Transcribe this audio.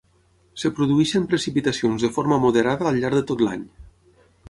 Es produeixen precipitacions de forma moderada al llarg de tot l'any.